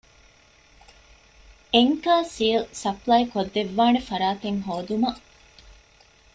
އެންކަރ ސީލް ސަޕްލައިކޮށްދެއްވާނެ ފަރާތެެއް ހޯދުމަށް